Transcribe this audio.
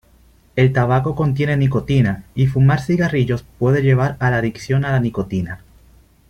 El tabaco contiene nicotina y fumar cigarrillos puede llevar a la adicción a nicotina.